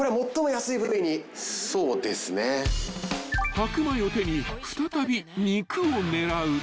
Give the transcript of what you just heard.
［白米を手に再び肉を狙う］